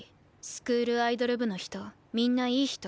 スクールアイドル部の人みんないい人。